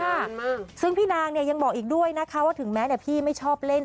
ค่ะซึ่งพี่นางเนี่ยยังบอกอีกด้วยนะคะว่าถึงแม้เนี่ยพี่ไม่ชอบเล่น